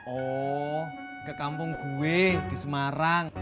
oh ke kampung gue di semarang